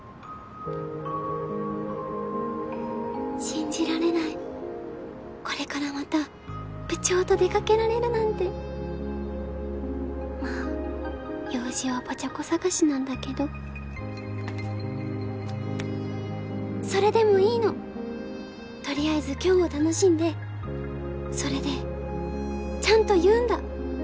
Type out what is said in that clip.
信じられないこれからまた部長と出かけられるなんてまあ用事はぽちゃ子探しなんだけどそれでもいいのとりあえず今日を楽しんでそれでちゃんと言うんだ